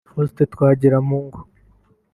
Faustin Twagiramungu